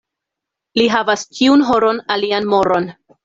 Li havas ĉiun horon alian moron.